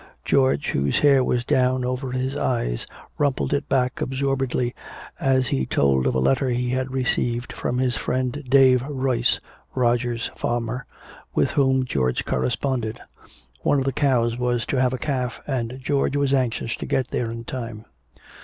George, whose hair was down over his eyes, rumpled it back absorbedly as he told of a letter he had received from his friend Dave Royce, Roger's farmer, with whom George corresponded. One of the cows was to have a calf, and George was anxious to get there in time.